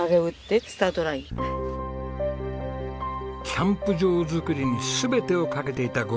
キャンプ場作りに全てを懸けていたご夫婦です。